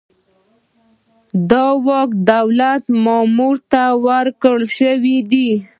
دا واک د دولت مامور ته ورکړل شوی دی.